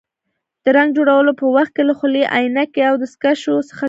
د رنګ جوړولو په وخت کې له خولۍ، عینکې او دستکشو څخه کار واخلئ.